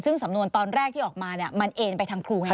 ซึ่งสำนวนตอนแรกที่ออกมามันเอ็นไปทางครูไหมครับ